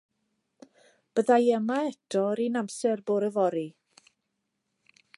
Bydda i yma eto yr un amser bore fory.